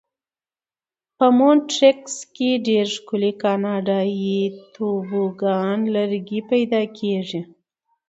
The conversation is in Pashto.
په مونټریکس کې ډېر ښکلي کاناډایي توبوګان لرګي پیدا کېږي.